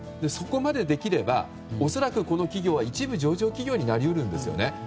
そこまでできれば恐らくこの企業は一部上場企業になり得るんですよね。